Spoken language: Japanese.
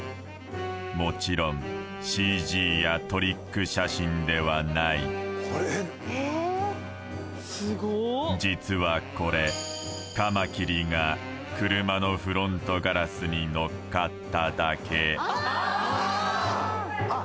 もちろんＣＧやトリック写真ではない実はこれカマキリが車のフロントガラスにのっかっただけああ！